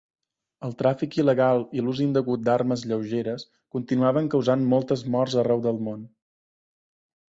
El tràfic il·legal i l'ús indegut d'armes lleugeres continuaven causant moltes morts arreu del món.